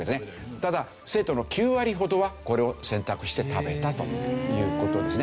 ただ生徒の９割ほどはこれを選択して食べたという事ですね。